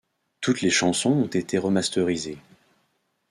Toutes les chansons ont été remasterisées.